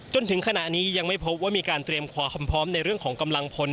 จนถึงขณะนี้ยังไม่พบว่ามีการเตรียมความพร้อมในเรื่องของกำลังพล